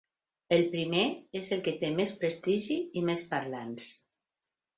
El primer és el que té més prestigi i més parlants.